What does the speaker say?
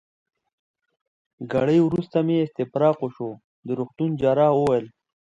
ګړی وروسته مې استفراق وشو، د روغتون جراح وویل.